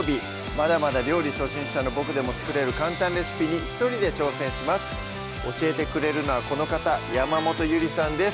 まだまだ料理初心者のボクでも作れる簡単レシピに一人で挑戦します教えてくれるのはこの方山本ゆりさんです